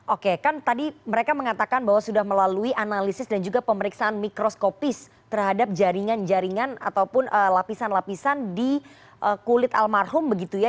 oke kan tadi mereka mengatakan bahwa sudah melalui analisis dan juga pemeriksaan mikroskopis terhadap jaringan jaringan ataupun lapisan lapisan di kulit almarhum begitu ya